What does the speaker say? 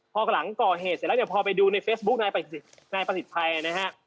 พอหลังก่อเหตุเสร็จแล้วเนี่ยพอไปดูในเฟซบุ๊คนายประสิทธิ์ชัยนะฮะ